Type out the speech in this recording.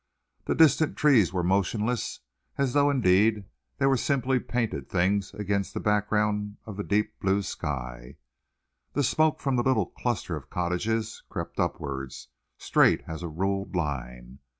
The distant trees were motionless, as though, indeed, they were simply painted things against that background of deep blue sky. The smoke from the little cluster of cottages crept upwards, straight as a ruled line.